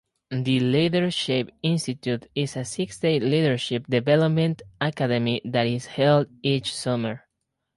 The LeaderShape Institute is a six-day leadership development academy that is held each summer.